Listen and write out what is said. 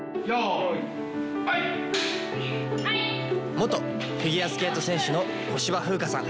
元フィギュアスケート選手の小芝風花さん。